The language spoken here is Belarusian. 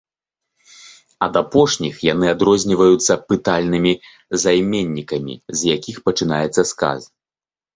Ад апошніх яны адрозніваюцца пытальнымі займеннікамі, з якіх пачынаецца сказ.